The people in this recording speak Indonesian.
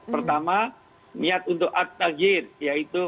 pertama niat untuk at tajid yaitu